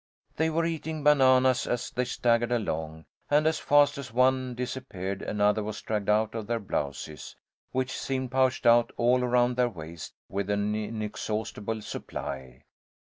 They were eating bananas as they staggered along, and as fast as one disappeared another was dragged out of their blouses, which seemed pouched out all around their waists with an inexhaustible supply.